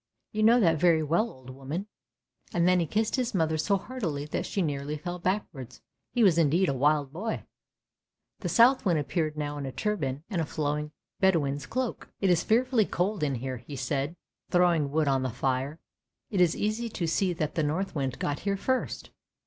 You know that very well, old woman! " and then he kissed his mother so heartily that she nearly fell backwards; he was indeed a wild boy. The Southwind appeared now in a turban and a flowing bedouin's cloak. "It is fearfully cold in here," he said, throwing wood on the fire; " it is easy to see that the Northwind got here first!